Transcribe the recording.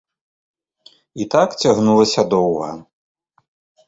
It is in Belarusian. І так цягнулася доўга.